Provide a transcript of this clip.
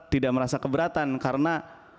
tidak merasa keberatan karena